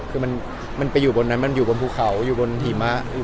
เพราะว่าเวลาต้องเดินขึ้นเข่าก็เหนื่อย